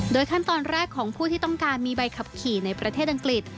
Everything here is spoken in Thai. ขั้นตอนแรกของผู้ที่ต้องการมีใบขับขี่ในประเทศอังกฤษ